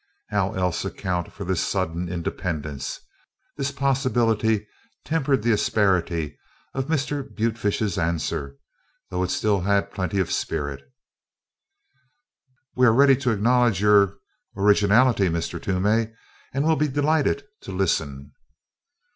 How else account for this sudden independence? This possibility tempered the asperity of Mr. Butefish's answer, though it still had plenty of spirit: "We are ready to acknowledge your er originality, Mr. Toomey, and will be delighted to listen."